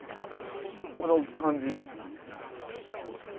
この感じ。